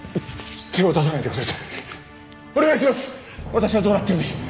私はどうなってもいい。